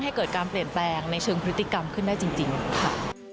ให้เกิดการเปลี่ยนแปลงในเชิงพฤติกรรมขึ้นได้จริงค่ะ